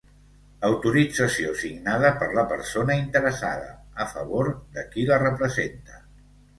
Autorització signada per la persona interessada, a favor de qui la representa.